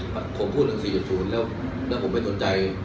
ผมพูดถึง๔๐แล้วผมไปตัวใจ